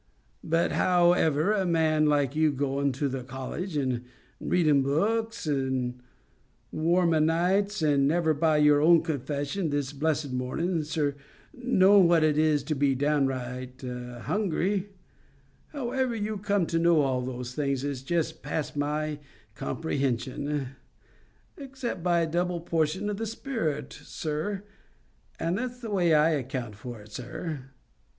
But how ever a man like you, goin' to the college, and readin' books, and warm o' nights, and never, by your own confession this blessed mornin', sir, knowin' what it was to be downright hungry, how ever you come to know all those things, is just past my comprehension, except by a double portion o' the Spirit, sir. And that's the way I account for it, sir."